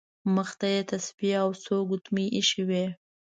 مخې ته یې تسبیح او څو ګوتمۍ ایښې وې.